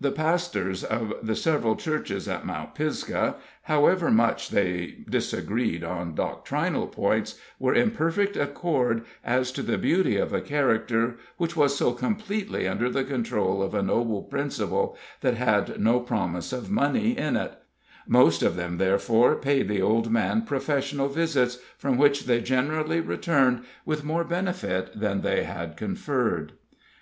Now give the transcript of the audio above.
The pastors of the several churches at Mount Pisgah, however much they disagreed on doctrinal points, were in perfect accord as to the beauty of a character which was so completely under the control of a noble principle that had no promise of money in it; most of them, therefore, paid the old man professional visits, from which they generally returned with more benefit than they had conferred.